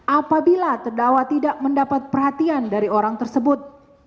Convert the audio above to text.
apabila terdakwa tidak mendapat perhatian dari orang tersebut